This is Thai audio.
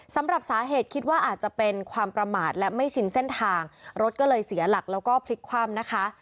สำหรับสาเหตุคิดว่าอาจจะเป็นความประมาทและไม่ชินเส้นทางรถก็เลยเสียหลักแล้วก็พลิกคว่ำนะคะ